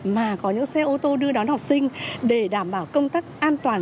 mà có những xe ô tô đưa đón học sinh để đảm bảo công tác an toàn